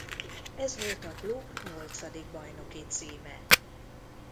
Ez volt a klub nyolcadik bajnoki címe.